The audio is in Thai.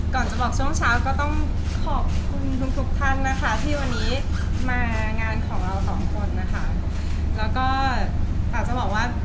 ก่อนจะบอกช่วงเช้าก็ต้องขอบคุณทุกท่านนะคะที่มางานของเราสองคนนะคะ